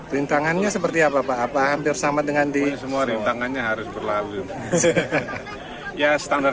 rintangannya seperti apa pak apa hampir sama dengan di semua rintangannya harus berlalu ya standar